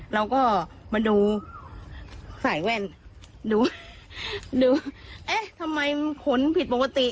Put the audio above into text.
เราก็มาดูใส่แว่นดูดูเอ๊ะทำไมขนผิดปกติ